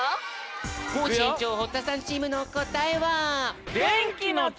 コージ園長堀田さんチームのこたえは？